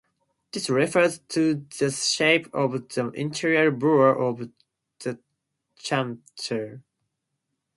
This refers to the shape of the internal bore of the chanter.